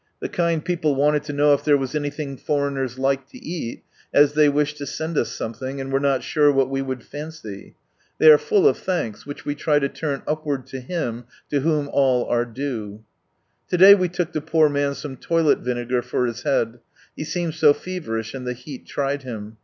The kind people wanted to know if there was anything foreigners liked to eat, as they wished to send us something, and were not sure what we would fancy ! They are full of thanks, which we try to turn upward to Him to whom all arc due. To day we took the poor man some toilet vinegar for his head, he seemed so feverish, and the heat tried him.